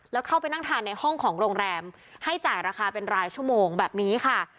แล้วเข้าไปนั่งทานในห้องของโรงแรมให้จ่ายราคาเป็นรายชั่วโมงแบบนี้ค่ะ